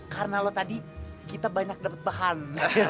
karena lo tadi kita banyak dapet bahan